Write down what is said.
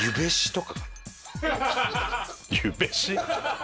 ゆべし？